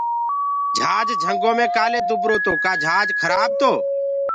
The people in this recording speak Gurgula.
جھاج جھنٚگو مي ڪآلي دُبرو تو ڪآ جھاج کرآب تو